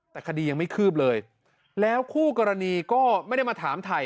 แต่คดียังไม่คืบเลยแล้วคู่กรณีก็ไม่ได้มาถามถ่าย